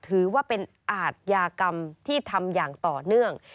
ถือว่าเป็นอาทยากรรมที่ทำอย่างต่อเนื่อง